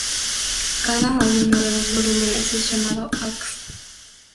Cada uno de los volúmenes es llamado "Acts".